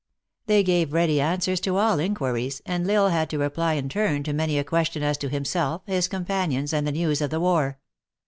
They gave ready answers to all inquiries, and L Isle had to reply in turn to many a question as to himself, his companions, and the news of the war.